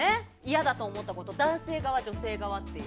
嫌だと思ったこと男性側、女性側。